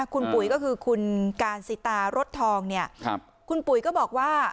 คุณปุ๋ยก็คือคุณการสิตารถทองเนี่ยคุณปุ๋ยก็บอกว่า